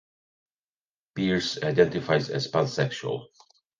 Pearce identifies as pansexual.